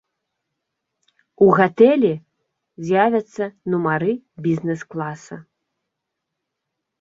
У гатэлі з'явяцца нумары бізнэс-класа.